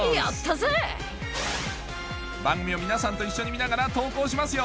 番組を皆さんと一緒に見ながら投稿しますよ